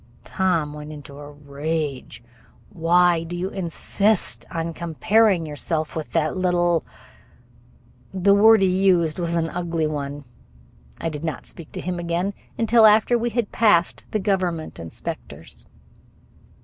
Tom went into a rage. "Why do you insist on comparing yourself with that little !" The word he used was an ugly one. I did not speak to him again until after we had passed the government inspectors.